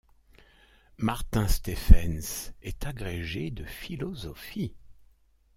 Martin Steffens est agrégé de philosophie.